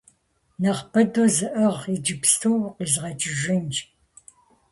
- Нэхъ быдэу зыӀыгъ, иджыпсту укъизгъэкӀыжынщ!